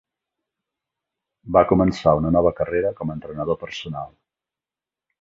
Va començar una nova carrera com a entrenador personal.